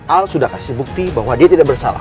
al sudah kasih bukti bahwa dia tidak bersalah